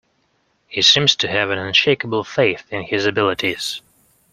He seems to have an unshakeable faith in his abilities.